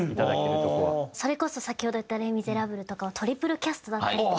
それこそ先ほど言った『レ・ミゼラブル』とかはトリプルキャストだったりとか。